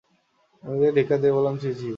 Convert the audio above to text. নিজকে ধিক্কার দিয়ে বললাম, ছি ছি!